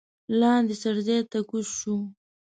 لاندې څړځای ته کوز شوو.